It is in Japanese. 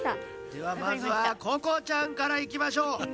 ではまずはここちゃんからいきましょう。